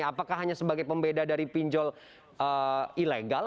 apakah hanya sebagai pembeda dari pinjol ilegal